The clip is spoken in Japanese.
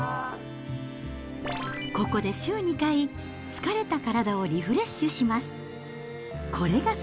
ここで週２回、疲れた体をリフレッシュします。